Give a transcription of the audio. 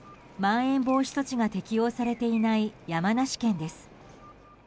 まん延防止措置が適用されていない山梨県です。